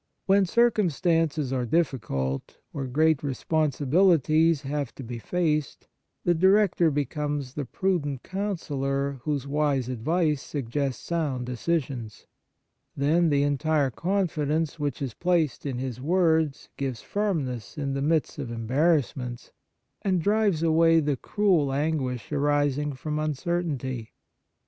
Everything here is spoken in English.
When circumstances are difficult, or great responsibilities have to be faced, the director becomes the pru dent counsellor whose wise advice suggests sound decisions. Then the entire confidence which is placed in his words gives firmness in the midst of embarrassments, and drives away the cruel anguish arising from un certainty.